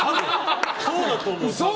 そうだと思う。